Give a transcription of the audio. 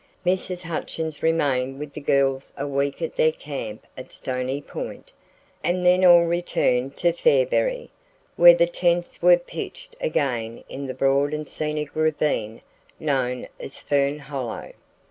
Mrs. Hutchins remained with the girls a week at their camp at Stony Point, and then all returned to Fairberry, where the tents were pitched again in the broad and scenic ravine known as Fern Hollow.